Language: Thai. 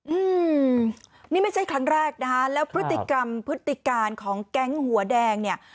อืมนี่ไม่ใช่ครั้งแรกนะฮะแล้วพฤติกรรมพฤติการของแก๊งหัวแดงเนี่ย